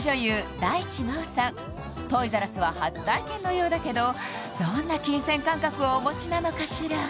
大地真央さんトイザらスは初体験のようだけどどんな金銭感覚をお持ちなのかしら